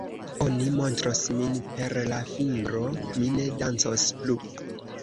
Oni montros min per la fingro; mi ne dancos plu.